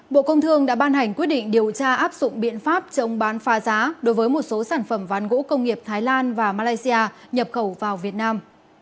bộ công thương đã ban hành quyết định điều tra áp dụng biện pháp chống bán phá giá đối với một số sản phẩm ván gỗ công nghiệp thái lan và malaysia nhập khẩu vào việt nam